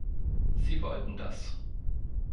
Sie wollten das.